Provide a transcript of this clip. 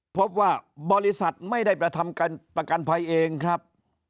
พบว่าบริษัทไม่ได้ประทำประกันภัยเองครับ